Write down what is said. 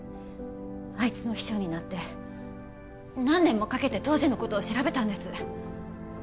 あいつの秘書になって何年もかけて当時のことを調べたんです